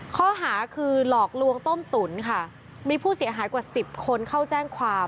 ข้อหาคือหลอกลวงต้มตุ๋นค่ะมีผู้เสียหายกว่าสิบคนเข้าแจ้งความ